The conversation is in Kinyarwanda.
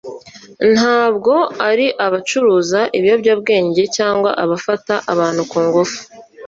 ntabwo ari abacuruza ibiyobyabwenge cyangwa abafata abantu ku ngufu